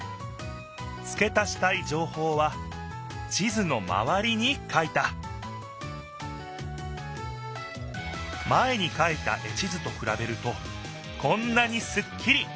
つけ足したいじょうほうは地図のまわりに書いた前に書いた絵地図とくらべるとこんなにすっきり。